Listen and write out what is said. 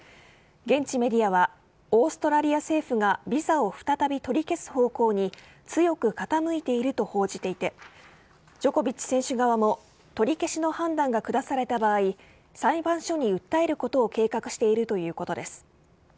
現地メディアはオーストラリア政府がビザを再び取り消す方向に強く傾いていると報じていてジョコビッチ選手側も取り消しの判断が下された場合裁判所に訴えることを計画しているということです。